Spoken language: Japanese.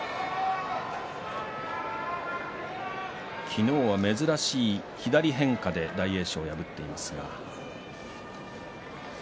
昨日は珍しい左変化で大栄翔を破っています。